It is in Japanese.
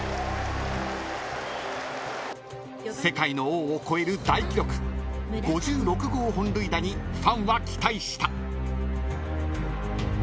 ［世界の王を超える大記録５６号本塁打にファンは期待した］